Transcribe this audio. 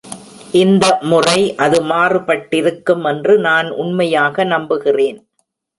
இந்த முறை அது மாறுபட்டிருக்கும் என்று நான் உண்மையாக நம்புகிறேன்.